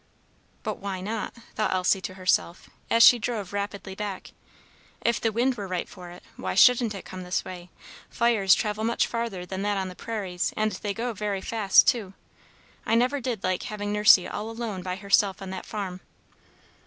"But why not?" thought Elsie to herself, as she drove rapidly back. "If the wind were right for it, why shouldn't it come this way? Fires travel much farther than that on the prairies, and they go very fast, too. I never did like having Nursey all alone by herself on that farm."